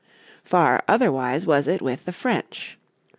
Far otherwise was it with the French.